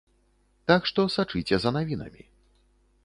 Так што сачыце за навінамі.